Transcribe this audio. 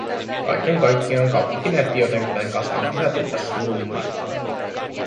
Kaiken kaikkiaan kaupunki näytti jotenkuten kasaan kyhätyltä slummilta.